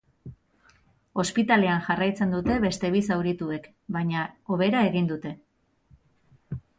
Ospitalean jarraitzen dute beste bi zaurituek, baina hobera egin dute.